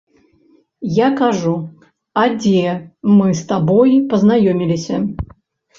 Я кажу, а дзе мы з табой пазнаёміліся?